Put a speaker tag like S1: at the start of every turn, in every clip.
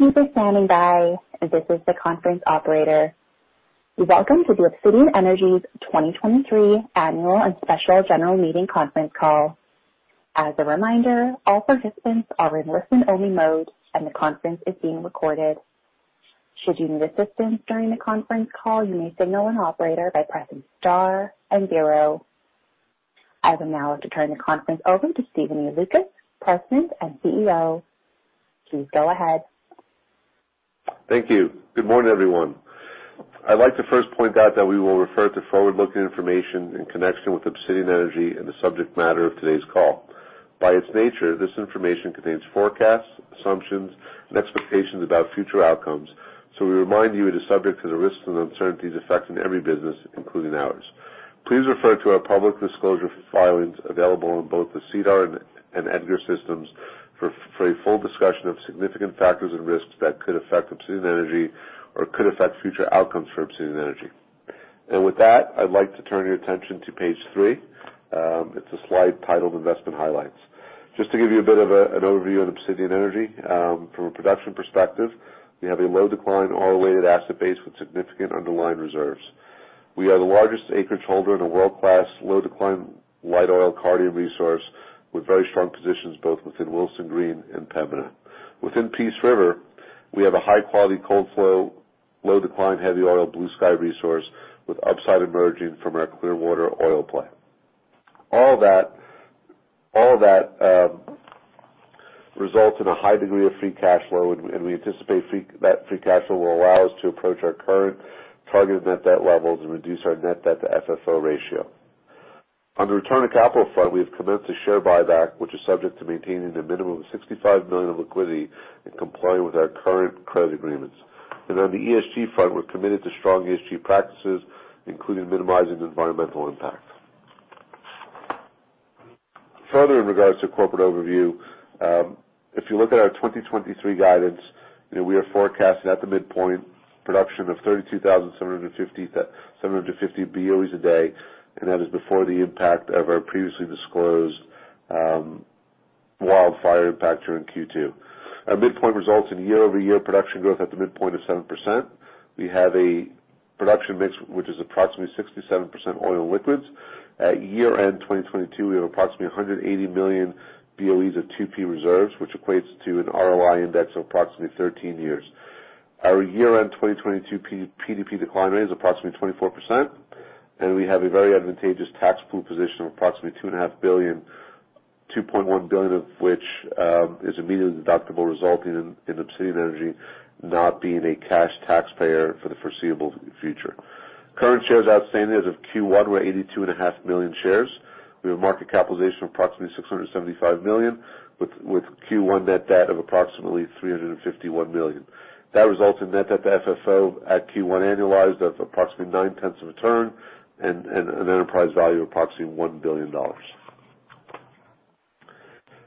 S1: Thank you for standing by. This is the conference operator. We welcome to Obsidian Energy's 2023 Annual and Special General Meeting conference call. As a reminder, all participants are in listen-only mode, and the conference is being recorded. Should you need assistance during the conference call, you may signal an operator by pressing star and zero. I would now like to turn the conference over to Stephen Loukas, President and CEO. Please go ahead.
S2: Thank you. Good morning, everyone. I'd like to first point out that we will refer to forward-looking information in connection with Obsidian Energy and the subject matter of today's call. By its nature, this information contains forecasts, assumptions, and expectations about future outcomes, so we remind it is subject to the risks and uncertainties affecting every business, including ours. Please refer to our public disclosure filings available on both the SEDAR and EDGAR systems for a full discussion of significant factors and risks that could affect Obsidian Energy or could affect future outcomes for Obsidian Energy. With that, I'd like to turn your attention to page 3. It's a slide titled Investment Highlights. Just to give you a bit of a, an overview of Obsidian Energy, from a production perspective, we have a low-decline, oil-weighted asset base with significant underlying reserves. We are the largest acreage holder in a world-class, low-decline, light oil Cardium resource, with very strong positions both within Willesden Green and Pembina. Within Peace River, we have a high-quality cold flow, low-decline, heavy oil Bluesky resource with upside emerging from our Clearwater oil play. All that results in a high degree of free cash flow, and we anticipate that free cash flow will allow us to approach our current targeted net debt levels and reduce our net debt-to-FFO ratio. On the return of capital front, we have commenced a share buyback, which is subject to maintaining a minimum of 65 million of liquidity and complying with our current credit agreements. On the ESG front, we're committed to strong ESG practices, including minimizing environmental impacts. Further, in regards to corporate overview, if you look at our 2023 guidance, you know, we are forecasting at the midpoint production of 32,750 BOEs a day, and that is before the impact of our previously disclosed wildfire impact during Q2. Our midpoint results in year-over-year production growth at the midpoint of 7%. We have a production mix, which is approximately 67% oil and liquids. At year-end 2022, we have approximately 180 million BOEs of 2P reserves, which equates to an RLI index of approximately 13 years. Our year-end 2022 PDP decline rate is approximately 24%, and we have a very advantageous tax pool position of approximately 2.5 billion, 2.1 billion of which is immediately deductible, resulting in Obsidian Energy not being a cash taxpayer for the foreseeable future. Current shares outstanding as of Q1 were 82.5 million shares. We have a market capitalization of approximately 675 million, with Q1 net debt of approximately 351 million. That results in net debt to FFO at Q1 annualized of approximately 0.9 of a turn and an enterprise value of approximately 1 billion dollars.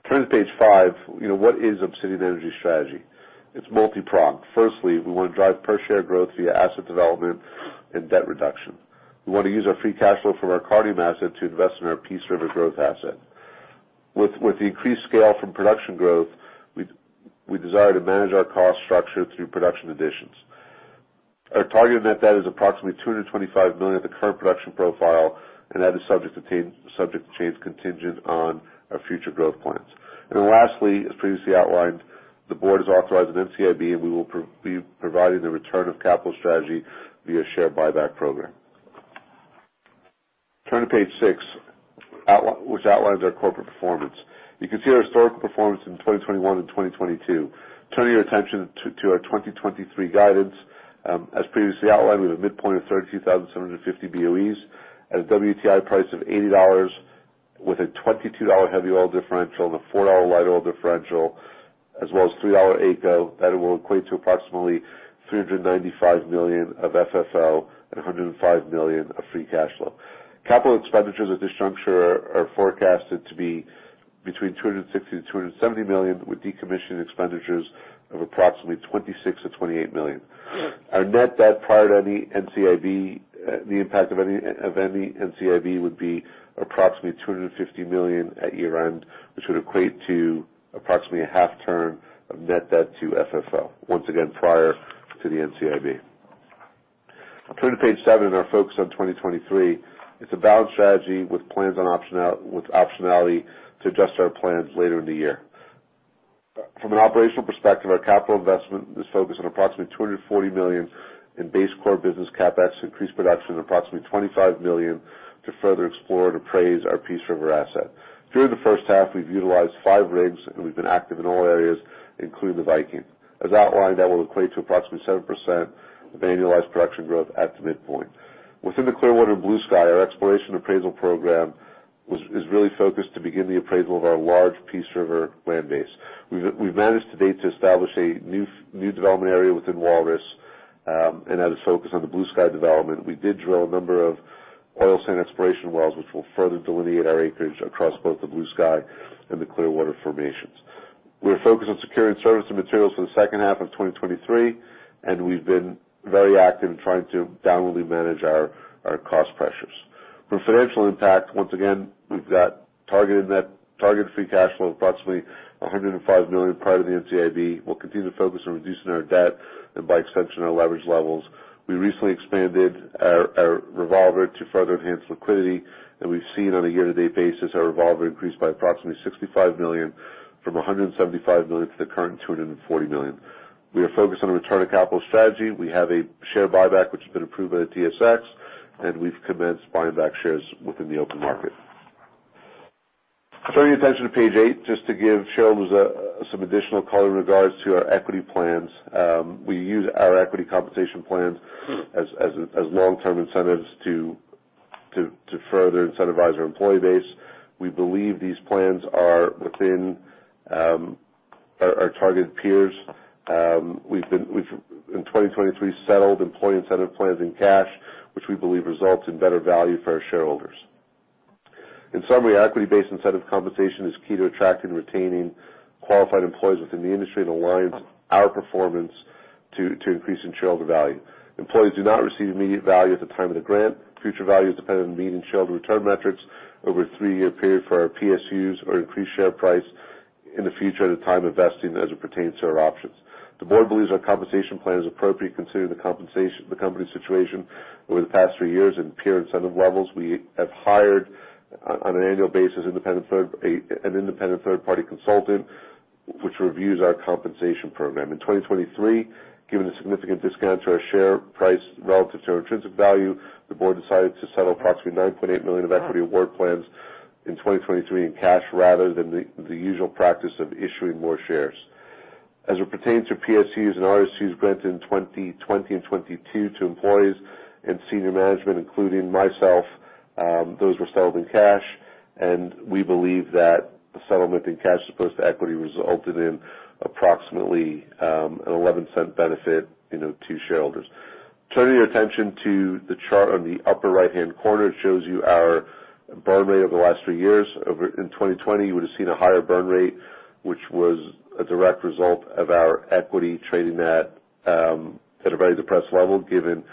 S2: Turning to page 5, you know, what is Obsidian Energy's strategy? It's multi-pronged. Firstly, we want to drive per share growth via asset development and debt reduction. We want to use our free cash flow from our Cardium asset to invest in our Peace River growth asset. With the increased scale from production growth, we desire to manage our cost structure through production additions. Our targeted net debt is approximately 225 million at the current production profile, and that is subject to change, contingent on our future growth plans. Lastly, as previously outlined, the board has authorized an NCIB, and we will be providing the return of capital strategy via share buyback program. Turning to page six, which outlines our corporate performance. You can see our historical performance in 2021 and 2022. Turning your attention to our 2023 guidance, as previously outlined, we have a midpoint of 32,750 BOEs at a WTI price of $80, with a 22 dollar heavy oil differential and a 4 dollar light oil differential, as well as 3 dollar AECO. That will equate to approximately 395 million of FFO and 105 million of free cash flow. Capital expenditures at this juncture are forecasted to be between 260 million-270 million, with decommissioning expenditures of approximately 26 million-28 million. Our net debt, prior to any NCIB, the impact of any NCIB, would be approximately 250 million at year-end, which would equate to approximately a half turn of net debt to FFO, once again, prior to the NCIB. Turning to page 7, our focus on 2023. It's a balanced strategy with plans with optionality to adjust our plans later in the year. From an operational perspective, our capital investment is focused on approximately 240 million in base core business CapEx to increase production, and approximately 25 million to further explore and appraise our Peace River asset. During the first half, we've utilized 5 rigs, we've been active in all areas, including the Viking. As outlined, that will equate to approximately 7% of annualized production growth at the midpoint. Within the Clearwater Bluesky, our exploration appraisal program is really focused to begin the appraisal of our large Peace River land base. We've managed to date to establish a new development area within Walrus, that is focused on the Bluesky development. We did drill a number of oil sands exploration wells, which will further delineate our acreage across both the Bluesky and the Clearwater formations. We're focused on securing services and materials for the second half of 2023, and we've been very active in trying to downwardly manage our cost pressures. For financial impact, once again, we've got targeted free cash flow of approximately 105 million prior to the NCIB. We'll continue to focus on reducing our debt and by extension, our leverage levels. We recently expanded our revolver to further enhance liquidity, and we've seen on a year-to-date basis, our revolver increased by approximately 65 million from 175 million to the current 240 million. We are focused on a return of capital strategy. We have a share buyback, which has been approved by the TSX, and we've commenced buying back shares within the open market. Turning your attention to page 8, just to give shareholders some additional color in regards to our equity plans. We use our equity compensation plans as long-term incentives to further incentivize our employee base. We believe these plans are within our targeted peers. We've in 2023, settled employee incentive plans in cash, which we believe results in better value for our shareholders. In summary, equity-based incentive compensation is key to attracting and retaining qualified employees within the industry and aligns our performance to increasing shareholder value. Employees do not receive immediate value at the time of the grant. Future value is dependent on meeting shareholder return metrics over a three-year period for our PSUs or increased share price in the future at the time of vesting, as it pertains to our options. The board believes our compensation plan is appropriate, considering the company's situation over the past three years and peer incentive levels. We have hired, on an annual basis, an independent third-party consultant, which reviews our compensation program. In 2023, given the significant discount to our share price relative to its intrinsic value, the board decided to settle approximately 9.8 million of equity award plans in 2023 in cash, rather than the usual practice of issuing more shares. As it pertains to PSUs and RSUs granted in 2020 and 2022 to employees and senior management, including myself, those were settled in cash, and we believe that the settlement in cash as opposed to equity, resulted in approximately a 0.11 benefit, you know, to shareholders. Turning your attention to the chart on the upper right-hand corner, it shows you our burn rate over the last three years. In 2020, you would've seen a higher burn rate, which was a direct result of our equity trading at a very depressed level, given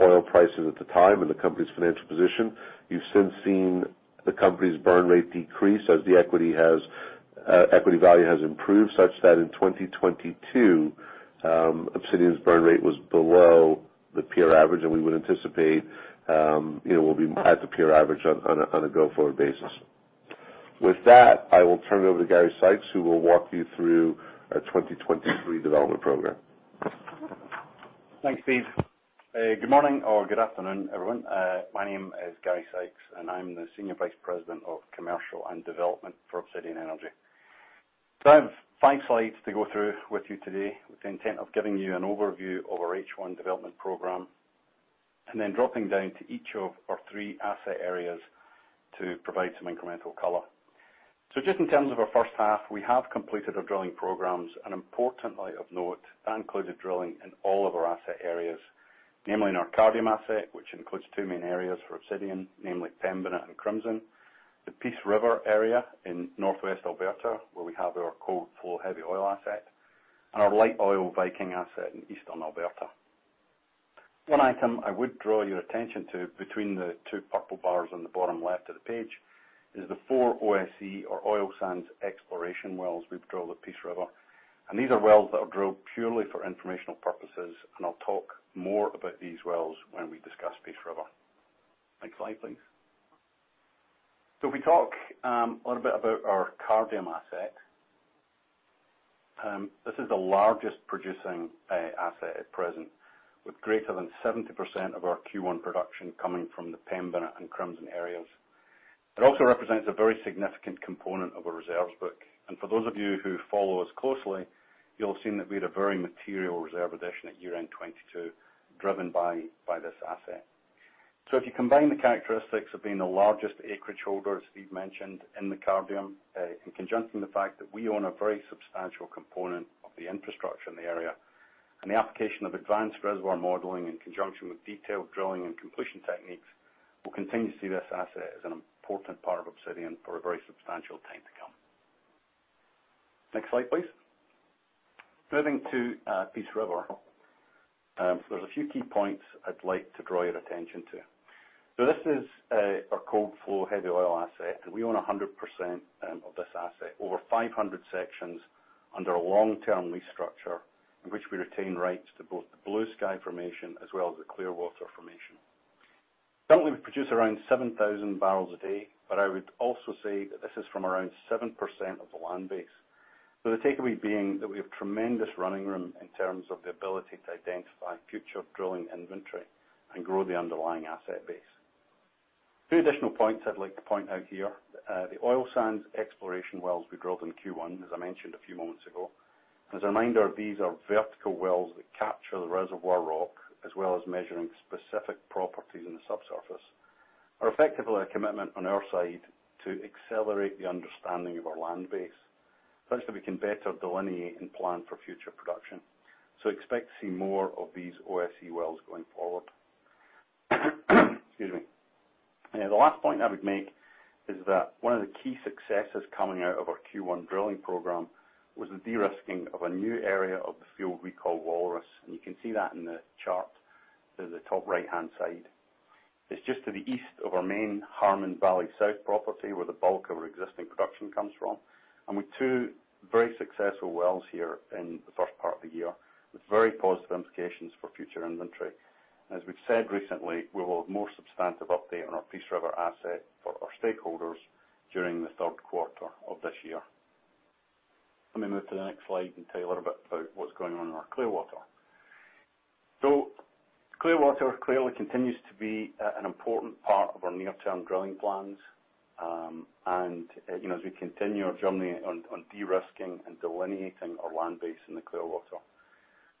S2: oil prices at the time and the company's financial position. You've since seen the company's burn rate decrease as the equity value has improved, such that in 2022, Obsidian's burn rate was below the peer average, and we would anticipate, you know, we'll be at the peer average on a go-forward basis. With that, I will turn it over to Gary Sykes, who will walk you through our 2023 development program.
S3: Thanks, Steve. Good morning or good afternoon, everyone. My name is Gary Sykes, and I'm the Senior Vice President of Commercial and Development for Obsidian Energy. I have five slides to go through with you today, with the intent of giving you an overview of our H1 development program, and then dropping down to each of our three asset areas to provide some incremental color. Just in terms of our first half, we have completed our drilling programs, and importantly of note, that included drilling in all of our asset areas. Namely in our Cardium asset, which includes two main areas for Obsidian, namely Pembina and Crimson, the Peace River area in Northwest Alberta, where we have our cold flow heavy oil asset, and our light oil Viking asset in Eastern Alberta. One item I would draw your attention to between the two purple bars on the bottom left of the page, is the four OSE or oil sands exploration wells we've drilled at Peace River. These are wells that are drilled purely for informational purposes. I'll talk more about these wells when we discuss Peace River. Next slide, please. If we talk a little bit about our Cardium asset, this is the largest producing asset at present, with greater than 70% of our Q1 production coming from the Pembina and Crimson areas. It also represents a very significant component of our reserves book. For those of you who follow us closely, you'll have seen that we had a very material reserve addition at year-end 2022, driven by this asset. If you combine the characteristics of being the largest acreage holder, as Steve mentioned, in the Cardium, in conjunction with the fact that we own a very substantial component of the infrastructure in the area, and the application of advanced reservoir modeling in conjunction with detailed drilling and completion techniques, we'll continue to see this asset as an important part of Obsidian for a very substantial time to come. Next slide, please. Moving to Peace River. There's a few key points I'd like to draw your attention to. This is our cold flow heavy oil asset, and we own 100% of this asset, over 500 sections under a long-term lease structure, in which we retain rights to both the Bluesky Formation as well as the Clearwater Formation. Currently, we produce around 7,000 barrels a day. I would also say that this is from around 7% of the land base. The takeaway being that we have tremendous running room in terms of the ability to identify future drilling inventory and grow the underlying asset base. Three additional points I'd like to point out here. The oil sands exploration wells we drilled in Q1, as I mentioned a few moments ago, as a reminder, these are vertical wells that capture the reservoir rock, as well as measuring specific properties in the subsurface, are effectively a commitment on our side to accelerate the understanding of our land base, such that we can better delineate and plan for future production. Expect to see more of these OSE wells going forward. Excuse me. The last point I would make. is that one of the key successes coming out of our Q1 drilling program was the de-risking of a new area of the field we call Walrus, and you can see that in the chart to the top right-hand side. It's just to the east of our main Harmon Valley South property, where the bulk of our existing production comes from, with two very successful wells here in the first part of the year, with very positive implications for future inventory. As we've said recently, we will have a more substantive update on our Peace River asset for our stakeholders during the third quarter of this year. Let me move to the next slide and tell you a little bit about what's going on in our Clearwater. Clearwater clearly continues to be an important part of our near-term drilling plans. You know, as we continue our journey on de-risking and delineating our land base in the Clearwater.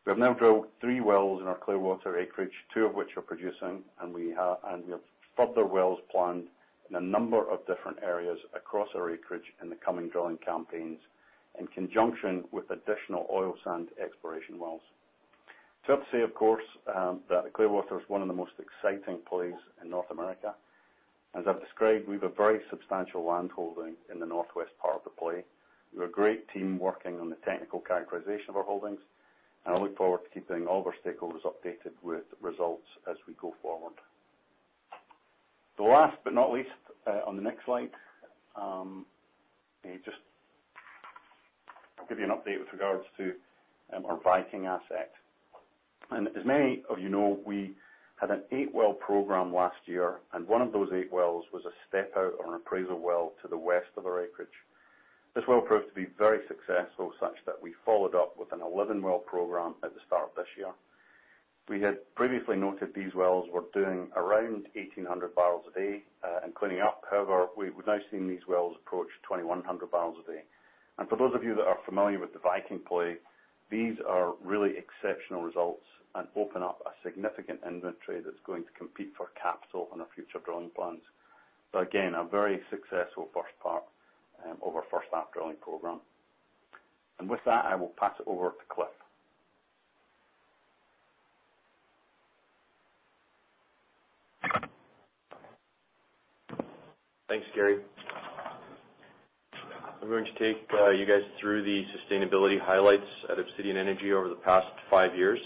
S3: We have now drilled 3 wells in our Clearwater acreage, 2 of which are producing, and we have further wells planned in a number of different areas across our acreage in the coming drilling campaigns, in conjunction with additional oil sands exploration wells. It's fair to say, of course, that Clearwater is one of the most exciting plays in North America. As I've described, we have a very substantial landholding in the northwest part of the play. We have a great team working on the technical characterization of our holdings, and I look forward to keeping all of our stakeholders updated with results as we go forward. The last but not least, on the next slide, let me just give you an update with regards to our Viking asset. As many of you know, we had an 8-well program last year, and one of those 8 wells was a step-out or an appraisal well to the west of our acreage. This well proved to be very successful, such that we followed up with an 11-well program at the start of this year. We had previously noted these wells were doing around 1,800 barrels a day and cleaning up. However, we've now seen these wells approach 2,100 barrels a day. For those of you that are familiar with the Viking play, these are really exceptional results and open up a significant inventory that's going to compete for capital in our future drilling plans. Again, a very successful first part of our first half drilling program. With that, I will pass it over to Cliff.
S4: Thanks, Gary. I'm going to take you guys through the sustainability highlights at Obsidian Energy over the past five years.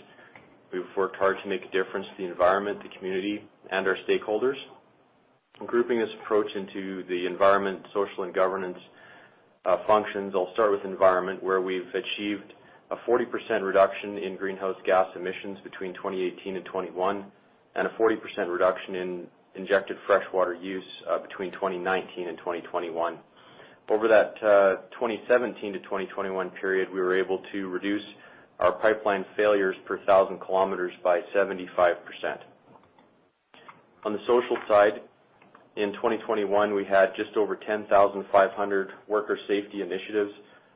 S4: We've worked hard to make a difference to the environment, the community, and our stakeholders. I'm grouping this approach into the environment, social, and governance functions. I'll start with environment, where we've achieved a 40% reduction in greenhouse gas emissions between 2018 and 2021, and a 40% reduction in injected freshwater use between 2019 and 2021. Over that 2017 to 2021 period, we were able to reduce our pipeline failures per 1,000 kilometers by 75%. On the social side, in 2021, we had just over 10,500 worker safety initiatives,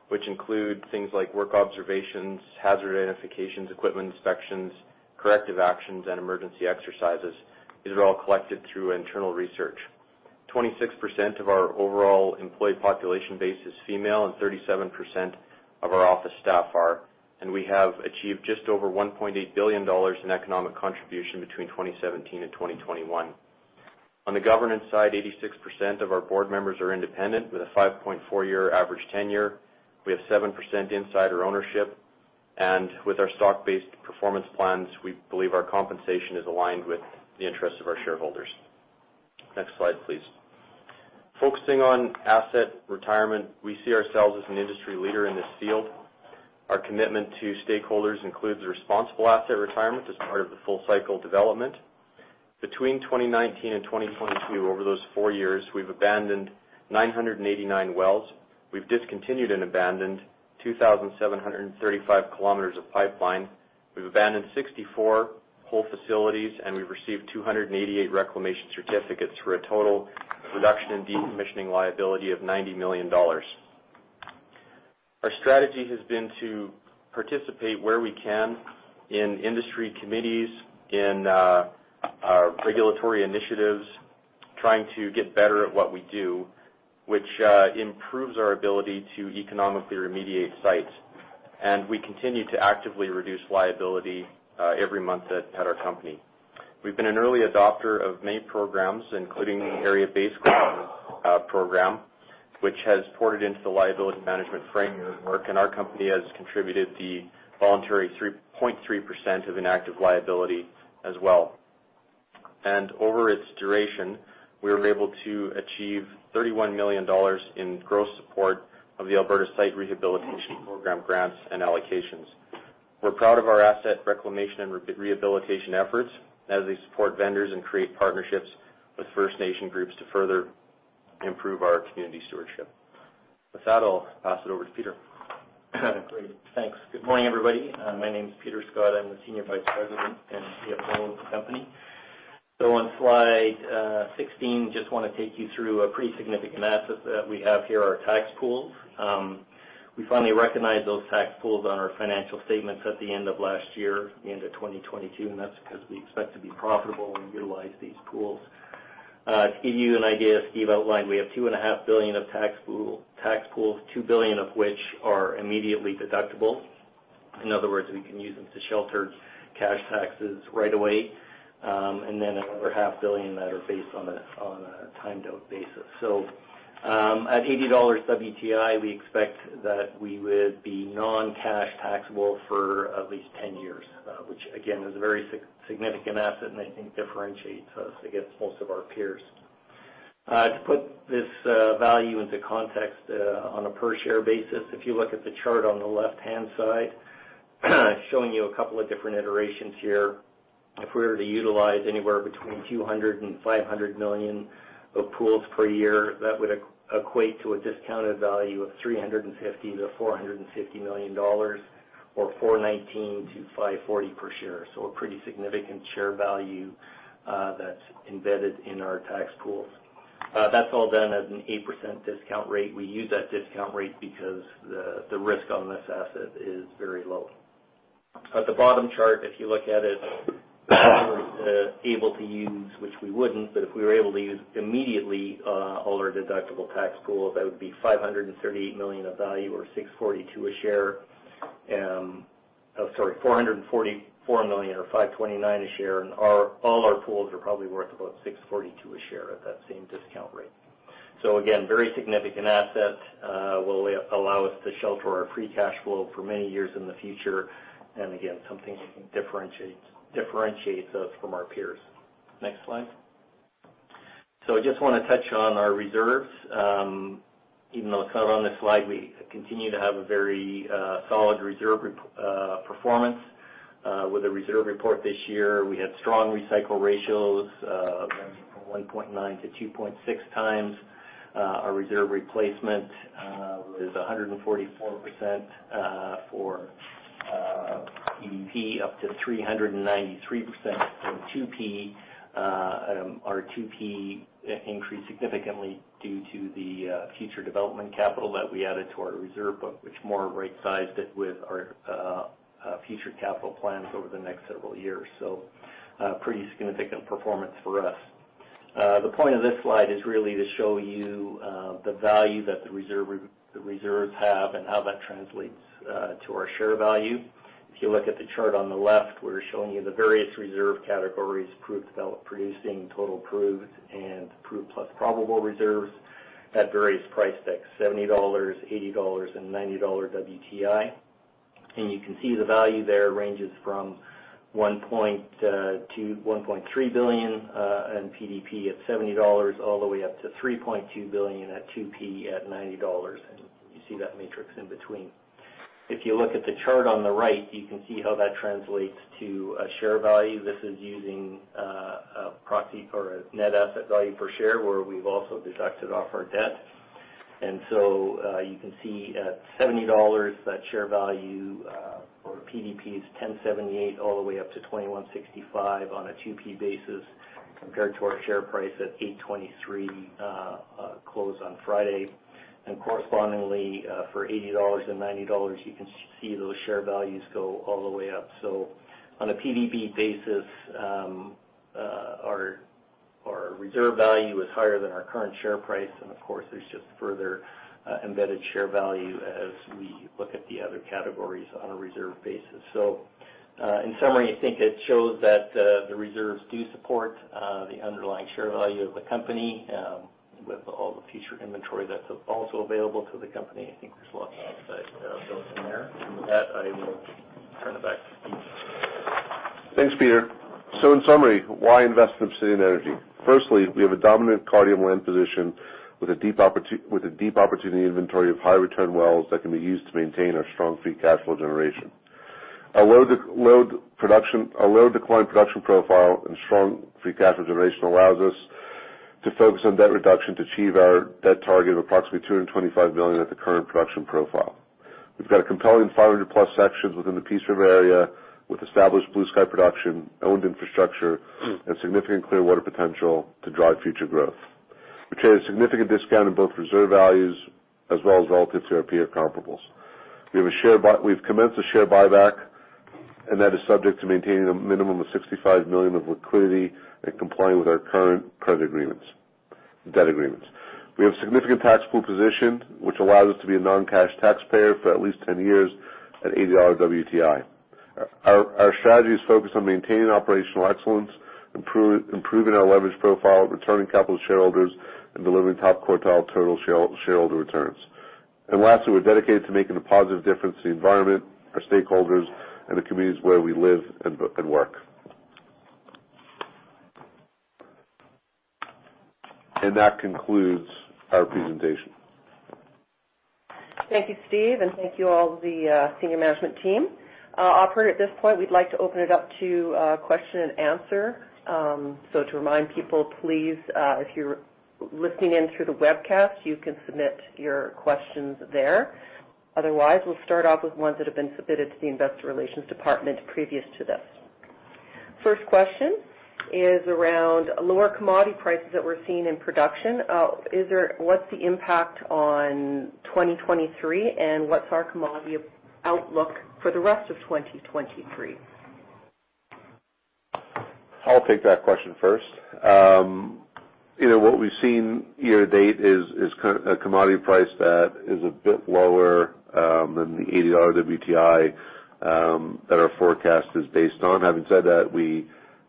S4: which include things like work observations, hazard identifications, equipment inspections, corrective actions, and emergency exercises. These are all collected through internal research. 26% of our overall employee population base is female, and 37% of our office staff are. We have achieved just over 1.8 billion dollars in economic contribution between 2017 and 2021. On the governance side, 86% of our board members are independent, with a 5.4-year average tenure. We have 7% insider ownership, and with our stock-based performance plans, we believe our compensation is aligned with the interests of our shareholders. Next slide, please. Focusing on asset retirement, we see ourselves as an industry leader in this field. Our commitment to stakeholders includes responsible asset retirement as part of the full cycle development. Between 2019 and 2022, over those four years, we've abandoned 989 wells. We've discontinued and abandoned 2,735 kilometers of pipeline. We've abandoned 64 whole facilities, and we've received 288 reclamation certificates for a total reduction in decommissioning liability of 90 million dollars. Our strategy has been to participate where we can in industry committees, in our regulatory initiatives, trying to get better at what we do, which improves our ability to economically remediate sites. We continue to actively reduce liability every month at our company. We've been an early adopter of many programs, including the Area-Based program, which has poured into the Liability Management Framework, and our company has contributed the voluntary 0.3% of inactive liability as well. Over its duration, we were able to achieve 31 million dollars in gross support of the Alberta Site Rehabilitation Program grants and allocations. We're proud of our asset reclamation and rehabilitation efforts as we support vendors and create partnerships with First Nation groups to further improve our community stewardship. With that, I'll pass it over to Peter.
S5: Great. Thanks. Good morning, everybody. My name is Peter Scott. I'm the Senior Vice President and CFO of the company. On slide 16, just want to take you through a pretty significant asset that we have here, our tax pools. We finally recognized those tax pools on our financial statements at the end of last year, the end of 2022. That's because we expect to be profitable and utilize these pools. To give you an idea, as Steve outlined, we have 2.5 billion of tax pools, 2 billion of which are immediately deductible.... In other words, we can use them to shelter cash taxes right away, and then another half billion that are based on a timed-out basis. At $80 WTI, we expect that we would be non-cash taxable for at least 10 years, which again, is a very significant asset, and I think differentiates us against most of our peers. To put this value into context, on a per share basis, if you look at the chart on the left-hand side, showing you a couple of different iterations here. If we were to utilize anywhere between $200 million-$500 million of pools per year, that would equate to a discounted value of $350 million-$450 million or $4.19-$5.40 per share. A pretty significant share value that's embedded in our tax pools. That's all done at an 8% discount rate. We use that discount rate because the risk on this asset is very low. At the bottom chart, if you look at it, able to use, which we wouldn't, but if we were able to use immediately, all our deductible tax pools, that would be 538 million of value or 6.42 a share. Oh, sorry, 444 million or 5.29 a share, and all our pools are probably worth about 6.42 a share at that same discount rate. Again, very significant asset, will allow us to shelter our free cash flow for many years in the future, and again, something differentiates us from our peers. Next slide. I just wanna touch on our reserves. Even though it's not on this slide, we continue to have a very solid reserve performance. With a reserve report this year, we had strong recycle ratios from 1.9 to 2.6x. Our reserve replacement was 144% for PDP, up to 393% from 2P. Our 2P increased significantly due to the future development capital that we added to our reserve book, which more right-sized it with our future capital plans over the next several years. Pretty significant performance for us. The point of this slide is really to show you the value that the reserves have and how that translates to our share value. If you look at the chart on the left, we're showing you the various reserve categories, proved developed producing, total proved, and proved plus probable reserves at various price decks, $70, $80, and $90 WTI. You can see the value there ranges from one point to 1.3 billion in PDP at $70, all the way up to 3.2 billion at 2P at $90, and you see that matrix in between. If you look at the chart on the right, you can see how that translates to a share value. This is using a proxy or a net asset value per share, where we've also deducted off our debt. You can see at $70, that share value for PDP is 10.78, all the way up to 21.65 on a 2P basis, compared to our share price at 8.23 close on Friday. For $80 and $90, you can see those share values go all the way up. On a PDP basis, our reserve value is higher than our current share price, and of course, there's just further embedded share value as we look at the other categories on a reserve basis. In summary, I think it shows that the reserves do support the underlying share value of the company, with all the future inventory that's also available to the company. I think there's a lot of upside built in there. With that, I will turn it back to Steve.
S2: Thanks, Peter. In summary, why invest in Obsidian Energy? Firstly, we have a dominant Cardium land position with a deep opportunity inventory of high return wells that can be used to maintain our strong free cash flow generation. A low production, a low decline production profile and strong free cash flow generation allows us to focus on debt reduction to achieve our debt target of approximately 225 million at the current production profile. We've got a compelling 500 plus sections within the Peace River area, with established Bluesky production, owned infrastructure, and significant Clearwater potential to drive future growth. We carry a significant discount in both reserve values as well as relative to our peer comparables. We've commenced a share buyback, and that is subject to maintaining a minimum of $65 million of liquidity and complying with our current credit agreements, debt agreements. We have a significant tax pool position, which allows us to be a non-cash taxpayer for at least 10 years at $80 WTI. Our strategy is focused on maintaining operational excellence, improving our leverage profile, returning capital to shareholders, and delivering top quartile total shareholder returns. Lastly, we're dedicated to making a positive difference to the environment, our stakeholders, and the communities where we live and work. That concludes our presentation.
S5: Thank you, Steve, and thank you, all the senior management team. Operator, at this point, we'd like to open it up to question and answer. To remind people, please, if you're listening in through the webcast, you can submit your questions there. Otherwise, we'll start off with ones that have been submitted to the investor relations department previous to this. First question is around lower commodity prices that we're seeing in production. What's the impact on 2023, and what's our commodity outlook for the rest of 2023?
S2: I'll take that question first. You know, what we've seen year-to-date is a commodity price that is a bit lower than the $80 WTI that our forecast is based on. Having said that, we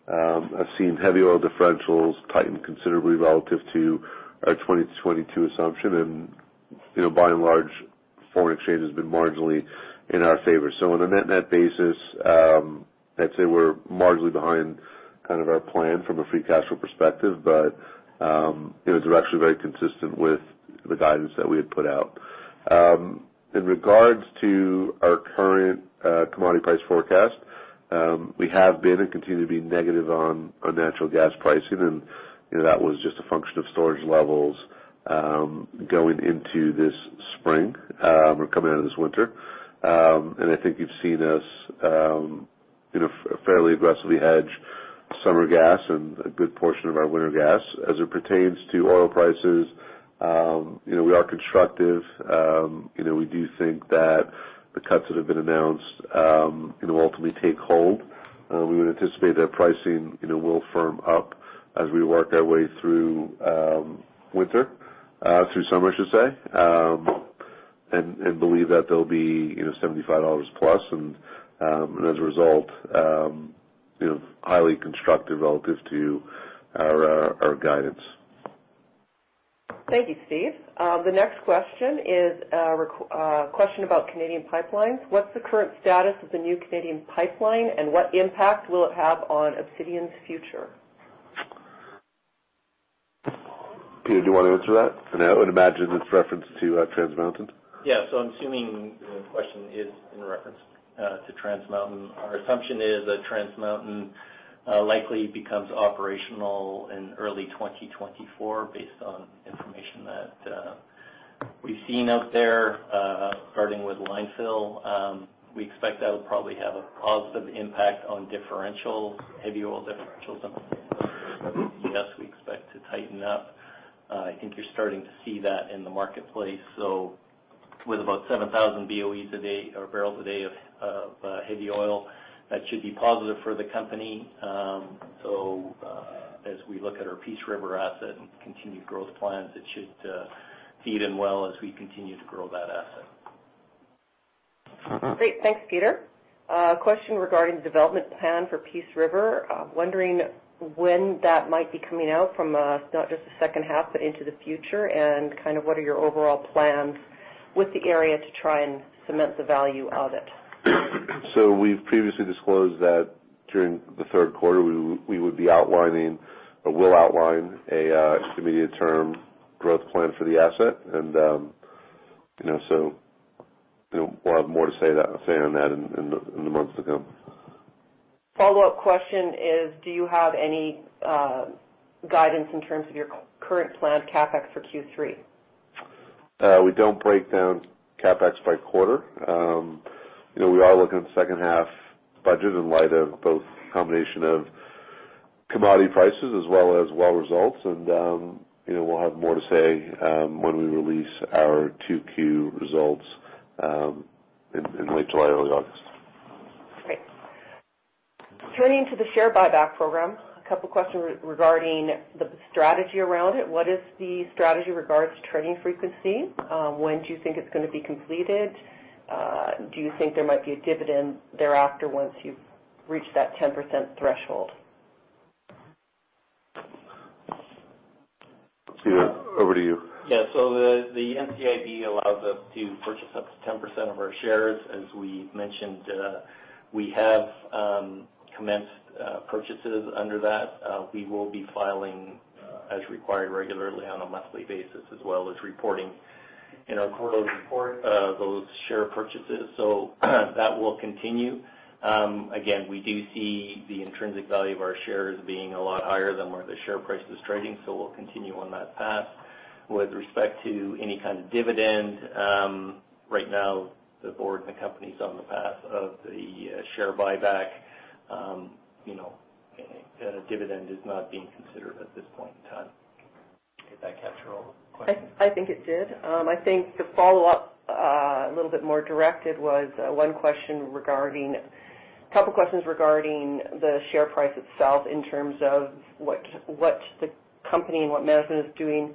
S2: have seen heavy oil differentials tighten considerably relative to our 2022 assumption. You know, by and large, foreign exchange has been marginally in our favor. On a net-net basis, I'd say we're marginally behind kind of our plan from a free cash flow perspective, but you know, they're actually very consistent with the guidance that we had put out. In regards to our current commodity price forecast, we have been and continue to be negative on natural gas pricing. You know, that was just a function of storage levels going into this spring or coming out of this winter. I think you've seen us, you know, fairly aggressively hedge summer gas and a good portion of our winter gas. As it pertains to oil prices, you know, we are constructive. You know, we do think that the cuts that have been announced, you know, will ultimately take hold. We would anticipate that pricing, you know, will firm up as we work our way through winter, through summer, I should say, and believe that there'll be, you know, $75+, and as a result, you know, highly constructive relative to our guidance.
S6: Thank you, Steve. The next question is a question about Canadian pipelines. What's the current status of the new Canadian pipeline? What impact will it have on Obsidian's future?
S2: Peter, do you want to answer that? I would imagine it's reference to Trans Mountain.
S5: Yeah. I'm assuming the question is in reference to Trans Mountain. Our assumption is that Trans Mountain likely becomes operational in early 2024, based on information that we've seen out there, starting with line fill. We expect that'll probably have a positive impact on differential, heavy oil differentials, and yes, we expect to tighten up. I think you're starting to see that in the marketplace. With about 7,000 BOE a day or barrels a day of heavy oil, that should be positive for the company. As we look at our Peace River asset and continued growth plans, it should feed in well as we continue to grow that asset.
S6: Great. Thanks, Peter. A question regarding the development plan for Peace River, wondering when that might be coming out from, not just the second half, but into the future, and kind of what are your overall plans with the area to try and cement the value of it?
S2: We've previously disclosed that during the third quarter, we would be outlining or will outline a intermediate-term growth plan for the asset. you know, so, you know, we'll have more to say on that in the months to come.
S6: Follow-up question is, do you have any guidance in terms of your current planned CapEx for Q3?
S2: We don't break down CapEx by quarter. You know, we are looking at second half budget in light of both combination of commodity prices as well as well results. You know, we'll have more to say when we release our 2Q results in late July, early August.
S6: Great. Turning to the share buyback program, a couple questions regarding the strategy around it. When do you think it's gonna be completed? Do you think there might be a dividend thereafter once you've reached that 10% threshold?
S2: Peter, over to you.
S5: The, the NCIB allows us to purchase up to 10% of our shares. As we mentioned, we have commenced purchases under that. We will be filing as required regularly on a monthly basis, as well as reporting in our quarterly report, those share purchases. That will continue. Again, we do see the intrinsic value of our shares being a lot higher than where the share price is trading, so we'll continue on that path. With respect to any kind of dividend, right now, the board and the company is on the path of the share buyback. You know, a dividend is not being considered at this point in time. Did that capture all the questions?
S6: I think it did. I think the follow-up, a little bit more directed, was couple questions regarding the share price itself, in terms of what the company and what management is doing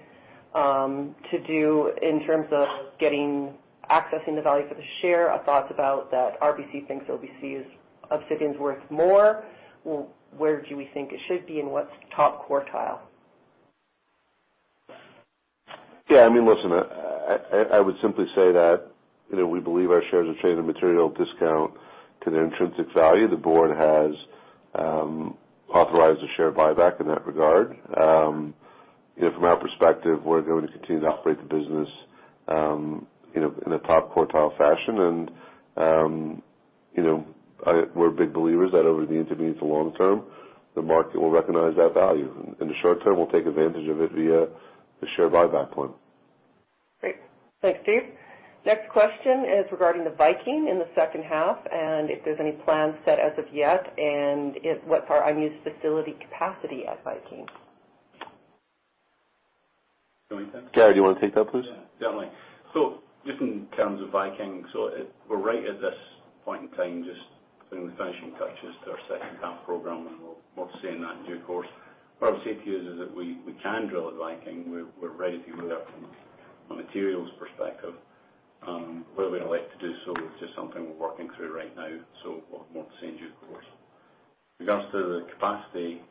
S6: to do in terms of getting, accessing the value for the share. I thought about that RBC thinks OBE is Obsidian's worth more. Well, where do we think it should be, and what's the top quartile?
S2: Yeah, I mean, listen, I would simply say that, you know, we believe our shares are trading at a material discount to their intrinsic value. The board has authorized a share buyback in that regard. You know, from our perspective, we're going to continue to operate the business, you know, in a top quartile fashion. You know, we're big believers that over the intermediate to long term, the market will recognize that value. In the short term, we'll take advantage of it via the share buyback plan.
S6: Great. Thanks, Steve. Next question is regarding the Viking in the second half, and if there's any plans set as of yet. What's our unused facility capacity at Viking?...
S2: Gary, do you want to take that, please?
S3: Yeah, certainly. Just in terms of Viking, we're right at this point in time, just doing the finishing touches to our second half program, we'll see in that due course. Our safety is that we can drill at Viking. We're ready to go there from a materials perspective. Whether we'd like to do so is just something we're working through right now, we'll see in due course. In regards to the capacity,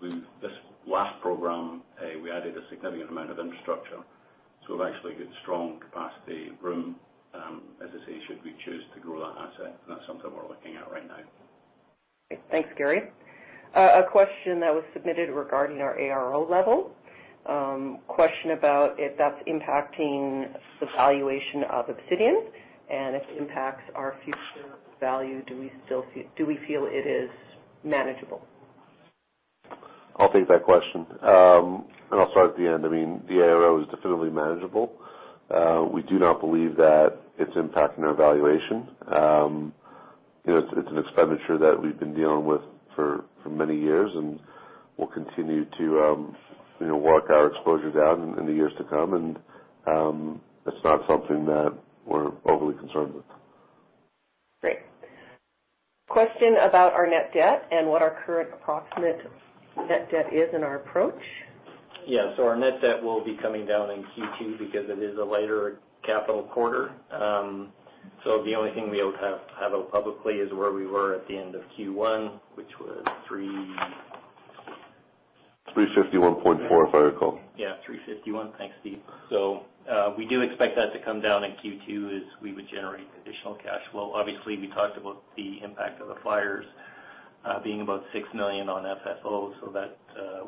S3: with this last program, we added a significant amount of infrastructure, we've actually got strong capacity room, as I say, should we choose to grow that asset, that's something we're looking at right now.
S6: Great. Thanks, Gary. A question that was submitted regarding our ARO level. Question about if that's impacting the valuation of Obsidian and if it impacts our future value, do we feel it is manageable?
S2: I'll take that question. I'll start at the end. I mean, the ARO is definitely manageable. We do not believe that it's impacting our valuation. You know, it's an expenditure that we've been dealing with for many years, and we'll continue to, you know, work our exposure down in the years to come, and it's not something that we're overly concerned with.
S6: Great. Question about our net debt and what our current approximate net debt is in our approach.
S5: Our net debt will be coming down in Q2 because it is a lighter capital quarter. The only thing we would have to have out publicly is where we were at the end of Q1, which was.
S2: 351.4, if I recall.
S5: Yeah, 351. Thanks, Steve. We do expect that to come down in Q2 as we would generate additional cash. Well, obviously, we talked about the impact of the fires, being about 6 million on FFO,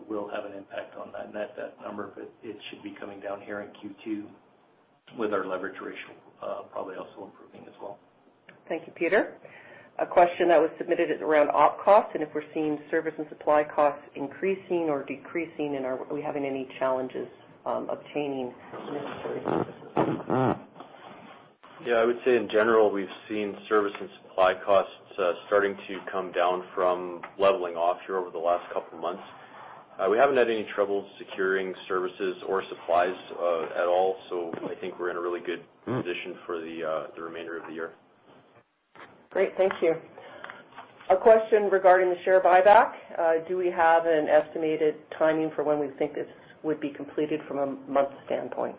S5: will have an impact on that net debt number, but it should be coming down here in Q2 with our leverage ratio, probably also improving as well.
S6: Thank you, Peter. A question that was submitted is around op costs and if we're seeing service and supply costs increasing or decreasing, and are we having any challenges obtaining necessary services?
S3: I would say in general, we've seen service and supply costs, starting to come down from leveling off here over the last couple of months. We haven't had any trouble securing services or supplies, at all, so I think we're in a really good position for the remainder of the year.
S6: Great, thank you. A question regarding the share buyback. Do we have an estimated timing for when we think this would be completed from a month standpoint?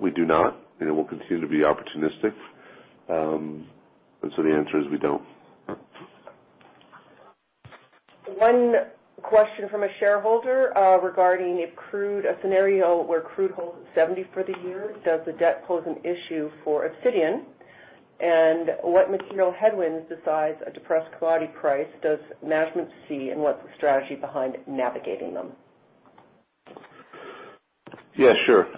S2: We do not, and it will continue to be opportunistic. The answer is we don't.
S6: One question from a shareholder, regarding if crude, a scenario where crude holds at $70 for the year, does the debt pose an issue for Obsidian? What material headwinds besides a depressed commodity price does management see, and what's the strategy behind navigating them?
S2: Yeah, sure.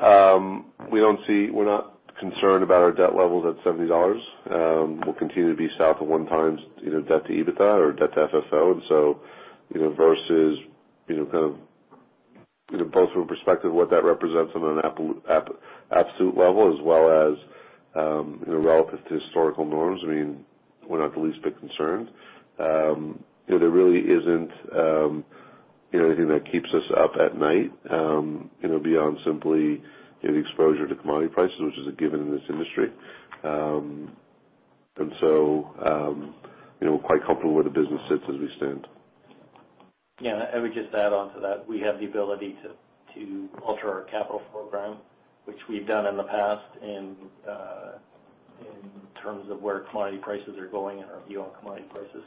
S2: We're not concerned about our debt levels at $70. We'll continue to be south of 1x, you know, debt to EBITDA or debt to FFO, versus, kind of, both from a perspective of what that represents on an absolute level, as well as, relative to historical norms, I mean, we're not the least bit concerned. There really isn't anything that keeps us up at night beyond simply the exposure to commodity prices, which is a given in this industry. We're quite comfortable where the business sits as we stand.
S5: Yeah, I would just add on to that. We have the ability to alter our capital program, which we've done in the past, and in terms of where commodity prices are going and our view on commodity prices.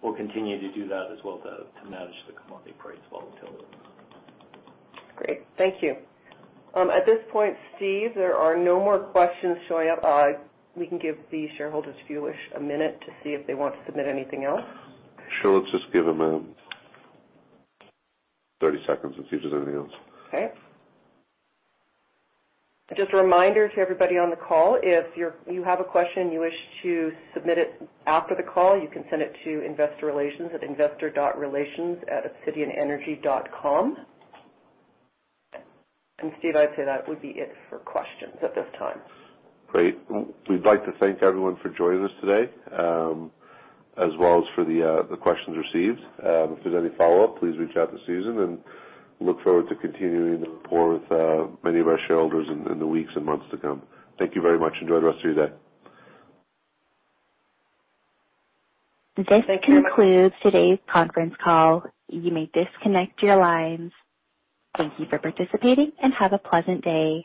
S5: We'll continue to do that as well to manage the commodity price volatility.
S6: Great, thank you. At this point, Steve, there are no more questions showing up. We can give the shareholders a minute to see if they want to submit anything else.
S2: Sure. Let's just give them, 30 seconds and see if there's anything else.
S6: Okay. Just a reminder to everybody on the call, if you have a question, you wish to submit it after the call, you can send it to investor relations at investor.relations@obsidianenergy.com. Steve, I'd say that would be it for questions at this time.
S2: Great. We'd like to thank everyone for joining us today, as well as for the questions received. If there's any follow-up, please reach out to Susan. Look forward to continuing the rapport with many of our shareholders in the weeks and months to come. Thank you very much. Enjoy the rest of your day.
S1: This concludes today's conference call. You may disconnect your lines. Thank you for participating, and have a pleasant day.